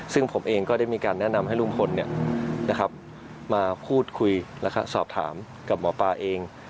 ซึ่งผมเองก็ได้มีการแนะนำให้ลุงพลมาพูดคุยแล้วก็สอบถามกับหมอปลาเอง